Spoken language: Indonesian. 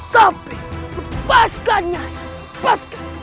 tapi lepaskan nyai lepaskan